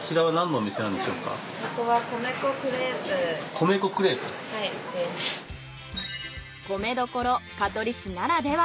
米どころ香取市ならでは。